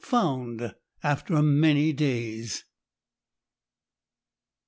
*FOUND AFTER MANY DAYS.